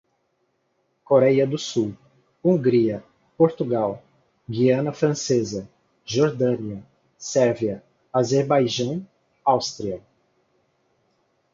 Coreia do Sul, Hungria, Portugal, Guiana Francesa, Jordânia, Sérvia, Azerbaijão, Áustria